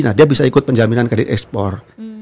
nah dia bisa ikut penjaminan kredit ekspor